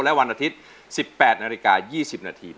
และวันอาทิตย์๑๘นาฬิกา๒๐นาที